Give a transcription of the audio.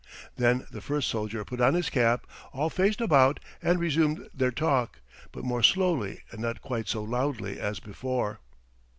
Then the first soldier put on his cap, all faced about, and resumed their talk, but more slowly and not quite so loudly as before.